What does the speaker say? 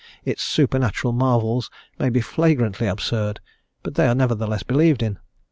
Its supernatural marvels may be flagrantly absurd; but they are nevertheless believed in.